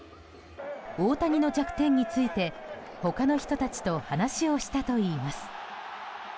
大谷の弱点について他の人たちと話をしたといいます。